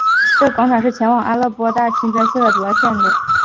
这个广场是前往阿勒颇大清真寺的主要路线。